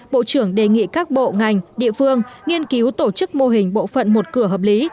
bộ trưởng đề nghị các bộ ngành địa phương nghiên cứu tổ chức mô hình bộ phận một cửa hợp lý